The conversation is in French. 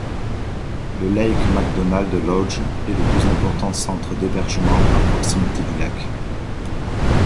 Le Lake McDonald Lodge est le plus important centre d’hébergement à proximité du lac.